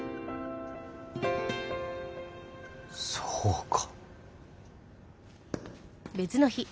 そうか！